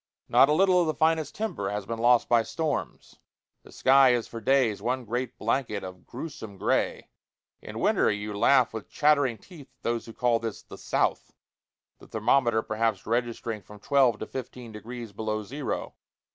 Not a little of the finest timber has been lost by storms. The sky is for days one great blanket of grewsome gray. In winter you laugh with chattering teeth at those who call this "the South," the thermometer perhaps registering from twelve to fifteen degrees below zero.